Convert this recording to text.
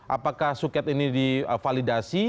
apakah suket ini di validasi